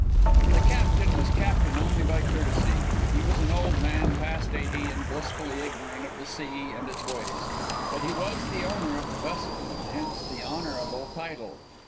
The captain was captain only by courtesy. He was an old man, past eighty, and blissfully ignorant of the sea and its ways; but he was the owner of the vessel, and hence the honorable title.